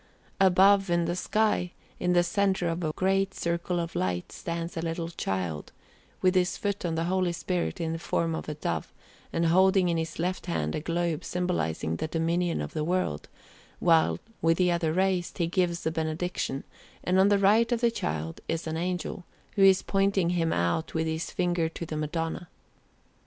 Above, in the sky, in the centre of a great circle of light, stands a little Child, with His foot on the Holy Spirit in the form of a Dove, and holding in His left hand a globe symbolizing the dominion of the world, while, with the other hand raised, He gives the benediction; and on the right of the Child is an angel, who is pointing Him out with his finger to the Madonna.